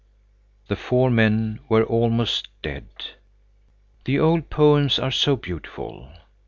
The four men were almost dead. The old poems are so beautiful.